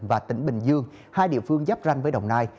và tỉnh bình dương hai địa phương giáp ranh với đồng nai